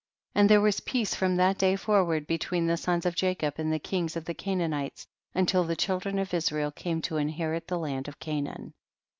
52. And there was peace from that day forward between the sons of Jacob and the kings of the Canaanites, until the children of Israel came to inherit the land of Canaan.